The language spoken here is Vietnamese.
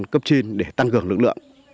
cấp trinh để tăng cường lực lượng